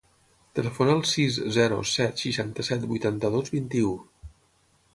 Telefona al sis, zero, set, seixanta-set, vuitanta-dos, vint-i-u.